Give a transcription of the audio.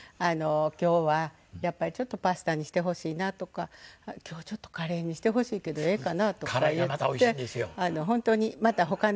今日はやっぱりちょっとパスタにしてほしいな」とか「今日ちょっとカレーにしてほしいけどええかな？」とか言って本当にまた他の。